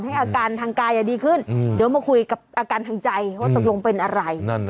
อาการทางกายดีขึ้นเดี๋ยวมาคุยกับอาการทางใจว่าตกลงเป็นอะไร